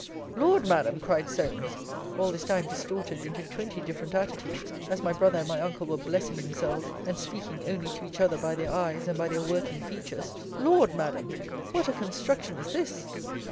Lord, Madam, cried Solmes, [all this time distorted into twenty different attitudes, as my brother and my uncle were blessing themselves, and speaking only to each other by their eyes, and by their working features; Lord, Madam,] what a construction is this!